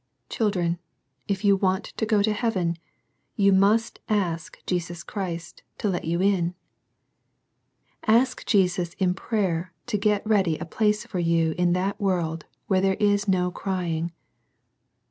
Children, if you want to go to heaven, you must ask Jesus Christ to let you in. Ask Jesus in prayer to get ready a place for you in that world where there is no " crying."